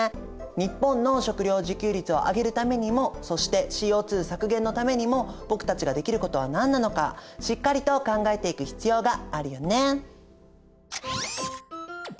日本の食料自給率を上げるためにもそしてＣＯ削減のためにも僕たちができることは何なのかしっかりと考えていく必要があるよね。